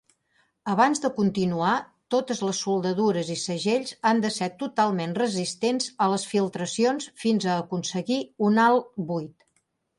Abans de continuar, totes les soldadures i segells han de ser totalment resistents a les filtracions fins aconseguir un alt buit.